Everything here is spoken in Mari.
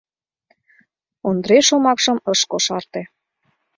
— Ондре шомакшым ыш кошарте.